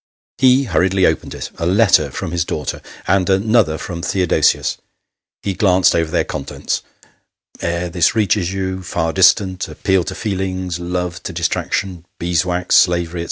He hurriedly opened it. A letter from his daughter, and another from Theodosius. He glanced over their contents " Ere this reaches you, far distant appeal to feelings love to distraction bees' wax slavery," &c.